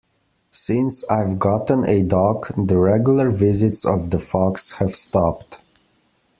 Since I've gotten a dog, the regular visits of the fox have stopped.